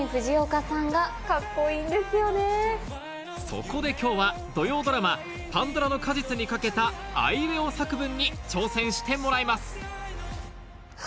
そこで今日は土曜ドラマ『パンドラの果実』に掛けたあいうえお作文に挑戦してもらいます